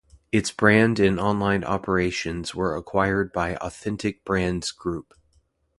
Its brand and online operations were acquired by Authentic Brands Group.